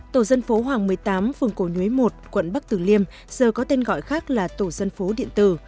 tổ dân phố hoàng một mươi tám phường cổ nhuế một quận bắc tử liêm giờ có tên gọi khác là tổ dân phố điện tử